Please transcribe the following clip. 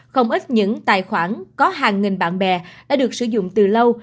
không ít những tài khoản có hàng nghìn bạn bè đã được sử dụng từ lâu